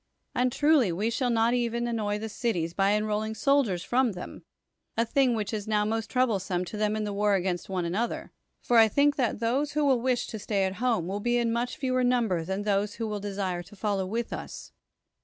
And truly we shall not even annoy the cities by enrolling soldiers from them, a thing which is now most troublesome to them in the war against one another; for I think that those who will wish to stay at home will be much fewer in number than those who will desire to follow with us.